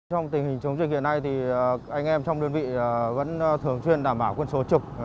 trong tình hình chống dịch hiện nay anh em trong đơn vị vẫn thường xuyên đảm bảo quân số trực